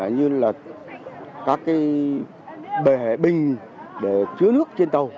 như là các cái bể bình để chứa nước trên tàu